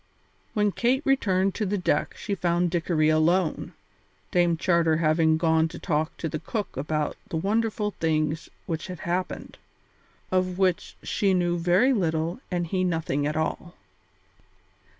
When Kate returned to the deck she found Dickory alone, Dame Charter having gone to talk to the cook about the wonderful things which had happened, of which she knew very little and he nothing at all.